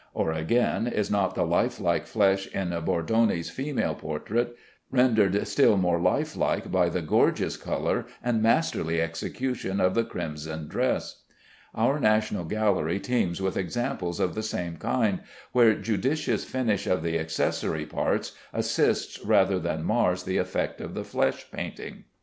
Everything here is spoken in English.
Or, again, is not the life like flesh in Bordoni's female portrait rendered still more life like by the gorgeous color and masterly execution of the crimson dress? Our National Gallery teems with examples of the same kind, where judicious finish of the accessory parts assists rather than mars the effect of the flesh painting.